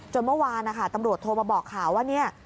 เมื่อวานนะคะตำรวจโทรมาบอกข่าวว่าเนี่ย